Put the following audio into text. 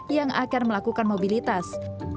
yang akan melakukan mobilitas